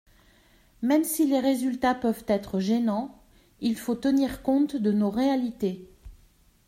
Même si les résultats peuvent être gênants, il faut tenir compte de nos réalités.